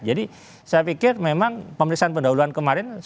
jadi saya pikir memang pemeriksaan pendahuluan kemarin sudah berjalan